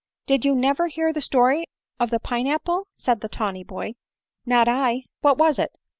Did you never hear the story of the pine apple ?" said the tawny boy. " Not I. What was it